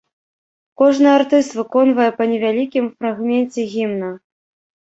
Кожны артыст выконвае па невялікім фрагменце гімна.